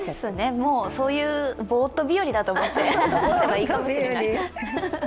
そういうボーッと日和だと思っていればいいかもしれないですね。